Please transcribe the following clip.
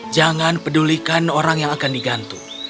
jangan pedulikan orang yang akan digantung